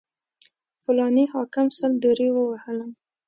فلاني حاکم سل درې ووهلم.